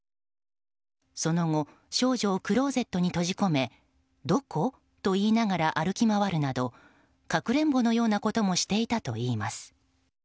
その後少女をクローゼットに閉じ込めどこ？と言いながら歩き回るなどかくれんぼのようなこともしていたといいます。